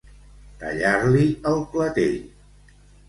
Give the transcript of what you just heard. Tallar-li el clatell.